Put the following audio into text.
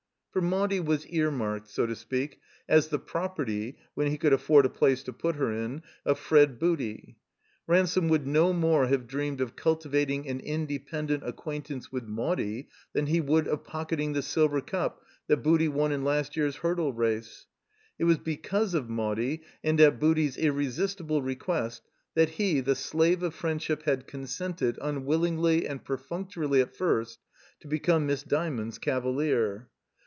For Maudie was ear marked, so to speak, as the property (when he could afford a place to put her in) of Fred Booty. Ransome would no more have dreamed of cultivating an independent acquaintance with Maudie than he would of pocketing the silver cup that Booty won in last year's Hurdle Race. It 13 THE COMBINED MAZE was because of Maudie, and at Booty's irresistible quest, that he, the slave of friendship, had consented, unwillingly and perfunctorily at first, to become Miss Dymond's cavalier.